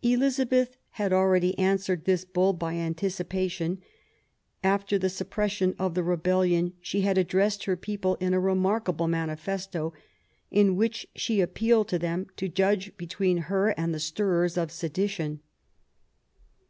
Elizabeth had already answered this Bull by anticipation. After the suppression of the rebellion she had addressed her people in a remarkable mani festo in which she appealed to them to judge between her and the stirrers of sedition.